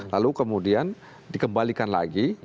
lalu kemudian dikembalikan lagi